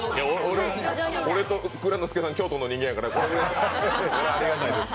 俺と蔵之介さん、京都の人間やからありがたいです。